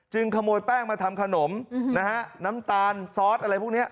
ขโมยแป้งมาทำขนมนะฮะน้ำตาลซอสอะไรพวกนี้